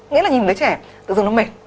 nghĩa là nhìn đứa trẻ tự dưng nó mệt